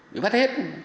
bị bắt hết